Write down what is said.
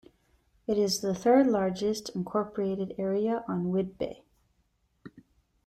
It is the third largest incorporated area on Whidbey.